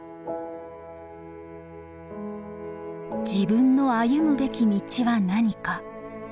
自分の歩むべき道は何か。